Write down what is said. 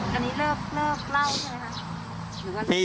ใช่ไหม